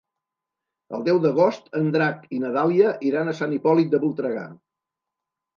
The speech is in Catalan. El deu d'agost en Drac i na Dàlia iran a Sant Hipòlit de Voltregà.